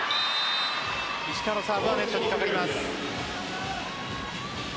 石川のサーブはネットにかかります。